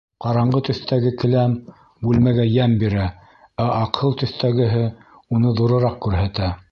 Ҡараңғы төҫтәге келәм бүлмәгә йәм бирә, ә аҡһыл төҫтәгеһе уны ҙурыраҡ күрһәтә.